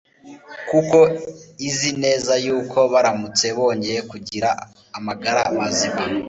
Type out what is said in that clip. kuko izi neza yuko baramutse bongeye kugira amagara mazima